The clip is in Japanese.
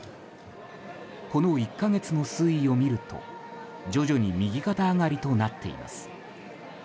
この１か月の推移を見ると徐々に右肩上がりとなっています。